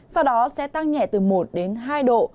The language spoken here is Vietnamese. sau đó sẽ tăng nhẹ từ một đến hai độ